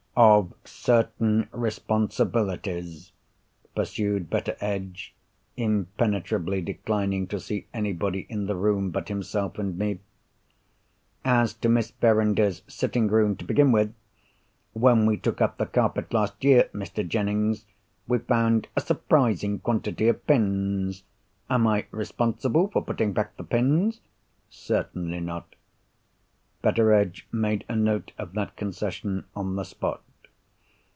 "——of certain responsibilities," pursued Betteredge, impenetrably declining to see anybody in the room but himself and me. "As to Miss Verinder's sitting room, to begin with. When we took up the carpet last year, Mr. Jennings, we found a surprising quantity of pins. Am I responsible for putting back the pins?" "Certainly not." Betteredge made a note of that concession, on the spot.